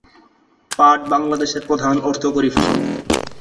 পরিবর্তে তারা লম্বা এবং আরও গভীর স্তরে অবস্থিত।